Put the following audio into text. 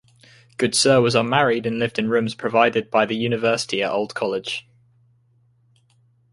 Goodsir was unmarried and lived in rooms provided by the University at Old College.